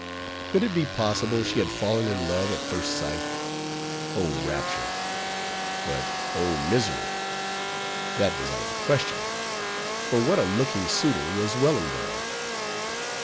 Could it be possible she had fallen in love at first sight? Oh, rapture! But oh, misery! that was out of the question; for what a looking suitor was Wellingborough?